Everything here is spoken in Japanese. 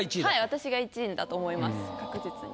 私が１位だと思います確実に。